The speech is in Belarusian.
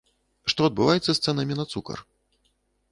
Што адбываецца з цэнамі на цукар?